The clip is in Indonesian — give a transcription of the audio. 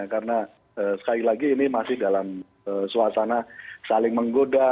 karena sekali lagi ini masih dalam suasana saling menggoda